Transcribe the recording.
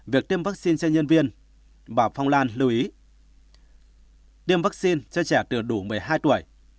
việc tiêm vaccine cho nhân viên bà phong lan lưu ý